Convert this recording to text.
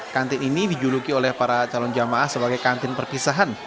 kantin ini dijuluki oleh para calon jamaah sebagai kantin perpisahan